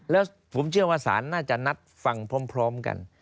แล้วผมเชื่อว่าศาลน่าจะนัดฟังพร้อมกัน